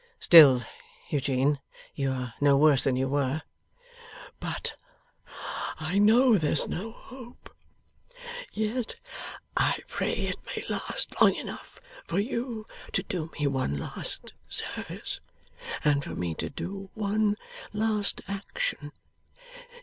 'Still, Eugene, you are no worse than you were.' 'But I know there's no hope. Yet I pray it may last long enough for you to do me one last service, and for me to do one last action.